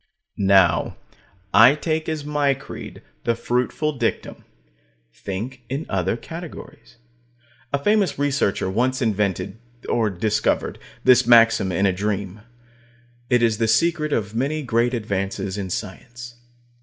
Now, I take as my creed the fruitful dictum: Think in other categories. A famous researcher once invented or discovered this maxim in a dream. It is the secret of many great advances in science.